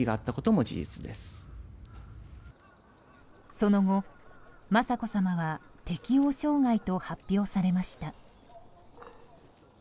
その後、雅子さまは適応障害と発表されました。